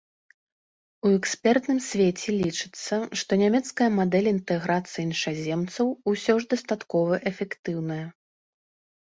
У экспертным свеце лічыцца, што нямецкая мадэль інтэграцыі іншаземцаў усё ж дастаткова эфектыўная.